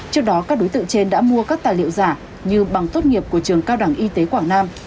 trước đó các đối tượng trên đã mua các tài liệu giả như bằng tốt nghiệp của trường cao đẳng y tế quảng nam